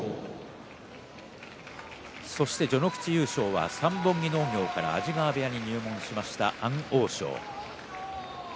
そして序ノ口優勝は三本木農業から安治川部屋に入門しました安大翔。